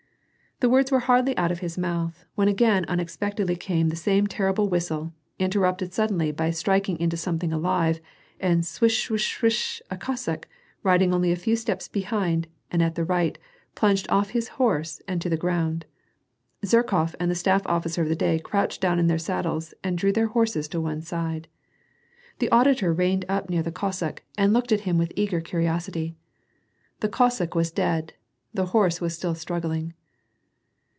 The words were hardly out of his mouth, when again ^expectedly came the same terrible whistle, interrupted sud denly by striking into something alive, and swish sh sh sh a Cossack, riding only a few steps behind, and at the right, plunged off his horse to the ground. Zherkof and the staff ofiScer of the day crouched down in their saddles, and drew tbeir horses to one side. The auditor reined uj) near the Cos 214 WAR AND PEACE. sack, and looked at him with eager curiosity. The Cossack was dead, the horse was still struggling.